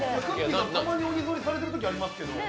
さん、たまに鬼ぞりされているときありますけど。